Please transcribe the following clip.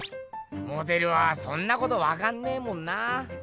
モデルはそんなことわかんねえもんな。